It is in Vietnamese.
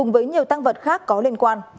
với nhiều tăng vật khác có liên quan